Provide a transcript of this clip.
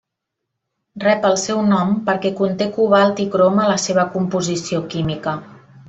Rep el seu nom perquè conté cobalt i crom a la seva composició química.